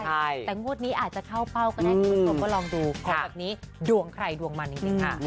แต่งวดนี้อาจจะเข้าเป้าก็ได้คุณผู้ชมก็ลองดูขอแบบนี้ดวงใครดวงมันนิดนึงค่ะ